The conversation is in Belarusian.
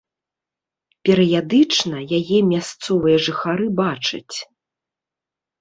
Перыядычна яе мясцовыя жыхары бачаць.